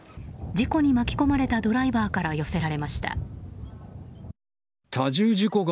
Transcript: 事故に巻き込まれたドライバーから寄せられました。